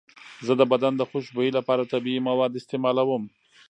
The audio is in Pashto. زه د بدن د خوشبویۍ لپاره طبیعي مواد استعمالوم.